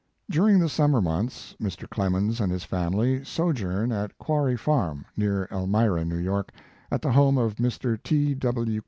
During the summer months, Mr. Clemens and his family sojourn at Quarry Farm, near Elrnira, New York, at the home of Mr. T. W.